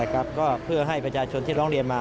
ก็เพื่อให้ประชาชนที่ร้องเรียนมา